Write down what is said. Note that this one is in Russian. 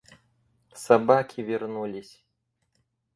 Собаки вернулись.